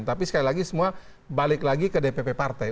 tapi sekali lagi semua balik lagi ke dpp partai